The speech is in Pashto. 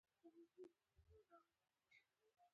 متلونه د ژوند عملي فلسفه بیانوي